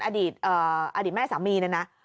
อดีตแม่สามีเนี่ยนะ